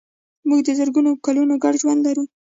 موږ د زرګونو کلونو ګډ ژوند لرو.